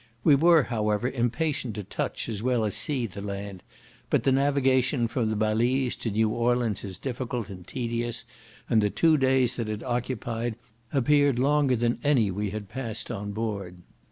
We were, however, impatient to touch as well as see the land; but the navigation from the Balize to New Orleans is difficult and tedious, and the two days that it occupied appeared longer than any we had passed on board.